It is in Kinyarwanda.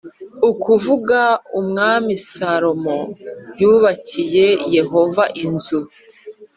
ukuvuga Umwami Salomo yubakiye Yehova inzu